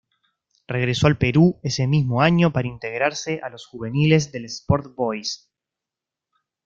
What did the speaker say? Regresó al Perú ese mismo año para integrarse a los juveniles del Sport Boys.